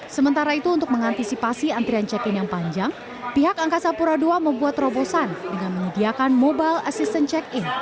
sementara itu untuk mengantisipasi antrian check in yang panjang pihak angkasa pura ii membuat terobosan dengan menyediakan mobile assistance check in